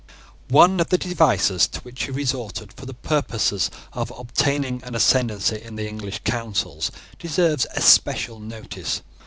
One of the devices to which he resorted for the purpose of obtaining an ascendency in the English counsels deserves especial notice.